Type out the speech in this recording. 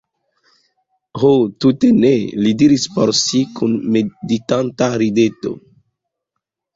Ho tute ne, li diris por si kun meditanta rideto.